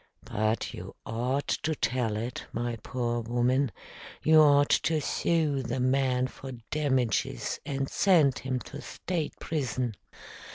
"But you ought to tell it, my poor woman. You ought to sue the man for damages and send him to State prison."